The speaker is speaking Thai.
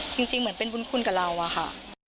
จริงเหมือนเป็นบุญคุณกับเราอะค่ะ